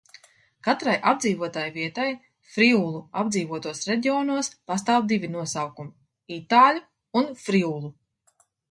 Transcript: Katrai apdzīvotai vietai friulu apdzīvotos reģionos pastāv divi nosaukumi – itāļu un friulu.